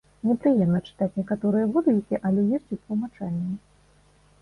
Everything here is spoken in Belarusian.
Непрыемна чытаць некаторыя водгукі, але ёсць і тлумачальныя.